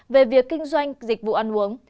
về việc kinh doanh dịch vụ ăn uống